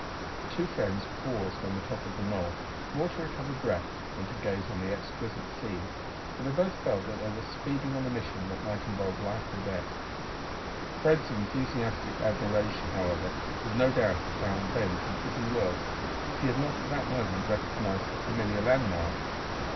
The two friends paused on the top of a knoll, more to recover breath than to gaze on the exquisite scene, for they both felt that they were speeding on a mission that might involve life or death. Fred's enthusiastic admiration, however, would no doubt have found vent in fitting words if he had not at the moment recognised a familiar landmark.